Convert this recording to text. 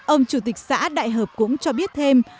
ông chủ tịch xã đại hợp cũng cho biết thêm